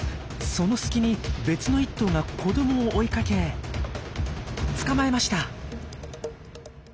その隙に別の１頭が子どもを追いかけ捕まえました。